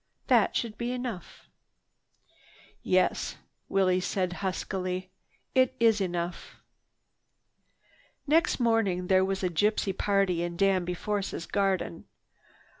That should be enough." "Yes," said Willie huskily, "it is enough." Next morning there was a gypsy party in Danby Force's garden.